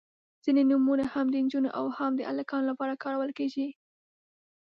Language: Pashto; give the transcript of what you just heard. • ځینې نومونه هم د نجونو او هم د هلکانو لپاره کارول کیږي.